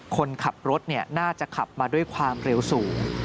คนขับรถน่าจะขับมาด้วยความเร็วสูง